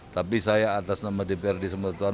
tapi saya atas nama dprd sumatera utara